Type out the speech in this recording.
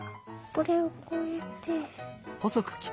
これをこうやって。